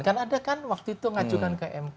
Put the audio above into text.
kan ada kan waktu itu ngajukan ke mk